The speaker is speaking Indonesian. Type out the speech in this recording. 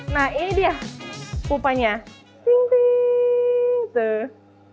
nah ini dia pupanya ting ting tuh